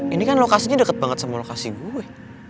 ini kan lokasinya dekat banget sama lokasi gue